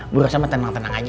bu rosan mah tenang tenang aja